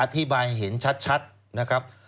อธิบายเห็นชัดนะครับ